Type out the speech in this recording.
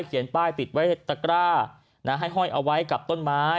ป้ายติดไว้ตะกร้าให้ห้อยเอาไว้กับต้นไม้